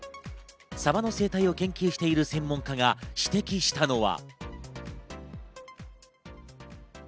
サバの生態を研究している専門家が指摘したのは。